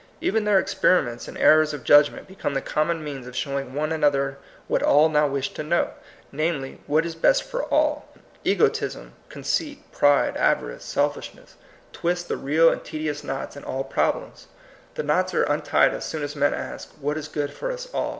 Even their experiments and errors of judgment become the common means of showing one another what all now wish to know; namely, what is best for all. Egotism, conceit, pride, avarice, selfishness, THE MOTTO OF VICTORY. 187 twist the real and tedious knots in all problems. The knots are untied as soon as men ask, — What is good for us all